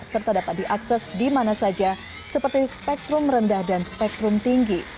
serta dapat diakses di mana saja seperti spektrum rendah dan spektrum tinggi